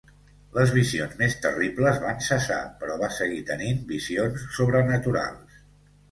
Les visions més terribles van cessar, però va seguir tenint visions sobrenaturals.